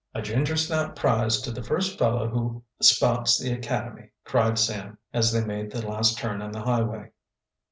"A ginger snap prize to the first fellow who spots the academy," cried Sam, as they made the last turn in the highway.